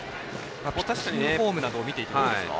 フォームなどを見ていてどうですか？